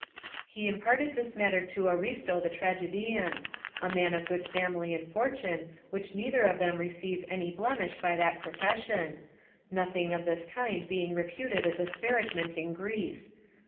["He imparted this matter to Aristo the tragedian; a man of good family and fortune, which neither of them receive any blemish by that profession; nothing of this kind being reputed a disparagement in Greece."